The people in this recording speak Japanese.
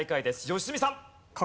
良純さん。